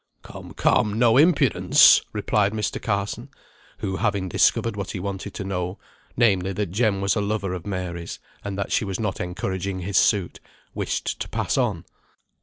"Come, come, no impudence," replied Mr. Carson, who, having discovered what he wanted to know (namely, that Jem was a lover of Mary's, and that she was not encouraging his suit), wished to pass on.